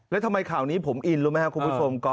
แล้วทำไมข่าวนี้ผมอินรู้ไหมครับคุณผู้ชม